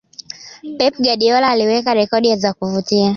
pep guardiola aliweka rekodi za kuvutia